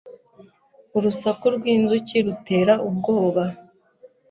Urusaku rwinzuki rutera ubwoba.